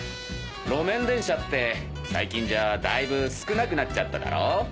路面電車って最近じゃだいぶ少なくなっちゃっただろう。